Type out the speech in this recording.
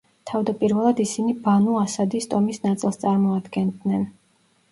თავადპირველად ისინი ბანუ ასადის ტომის ნაწილს წარმოადგენდნენ.